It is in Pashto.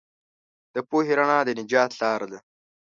د پوهې رڼا د نجات لار ده.